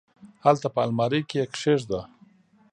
هلته په المارۍ کي یې کښېږده !